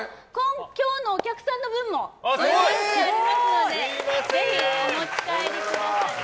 今日のお客さんの分も用意してありますのでぜひお持ち帰りください。